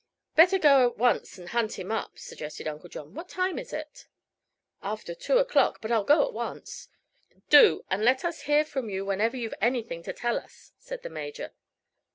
"Better go at once and hunt him up," suggested Uncle John. "What time is it?" "After two o'clock. But I'll go at once." "Do; and let us hear from you whenever you've anything to tell us," said the Major.